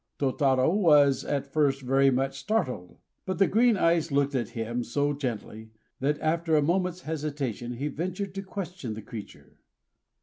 Tôtarô was at first very much startled. But the green eyes looked at him so gently that after a moment's hesitation he ventured to question the creature.